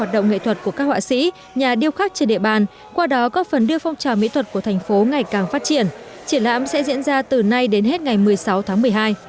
hoạt động nghệ thuật của các họa sĩ nhà điêu khắc trên địa bàn qua đó góp phần đưa phong trào mỹ thuật của thành phố ngày càng phát triển triển lãm sẽ diễn ra từ nay đến hết ngày một mươi sáu tháng một mươi hai